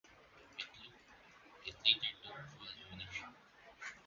It later took full ownership.